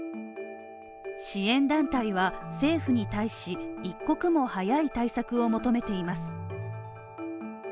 支援団体は政府に対し、一刻も早い対策を求めています。